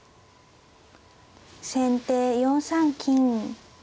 先手４三金。